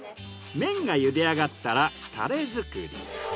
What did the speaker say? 麺がゆであがったらたれ作り。